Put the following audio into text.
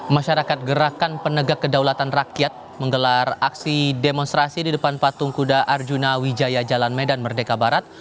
masyarakat gerakan penegak kedaulatan rakyat menggelar aksi demonstrasi di depan patung kuda arjuna wijaya jalan medan merdeka barat